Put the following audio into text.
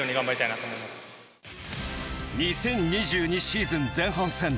２０２２シーズン前半戦。